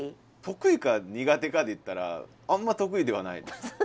得意か苦手かで言ったらあんま得意ではないです。